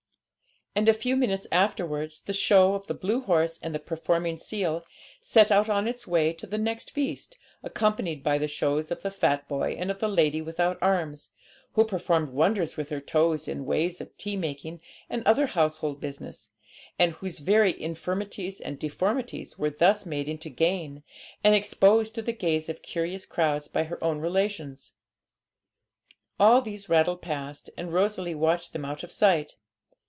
And, a few minutes afterwards, the show of the blue horse and the performing seal set out on its way to the next feast, accompanied by the shows of the fat boy and of the lady without arms, who performed wonders with her toes in the ways of tea making and other household business, and whose very infirmities and deformities were thus made into gain, and exposed to the gaze of curious crowds by her own relations. All these rattled past, and Rosalie watched them out of sight.